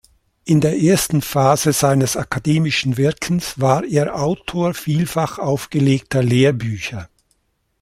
In der ersten Phase seines akademischen Wirkens war er Autor vielfach aufgelegter Lehrbücher.